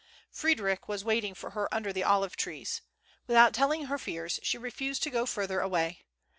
134 DISCOVERED. Frdd^ric was waiting for her under the olive trees. Without telling her fears, she refused to go further away.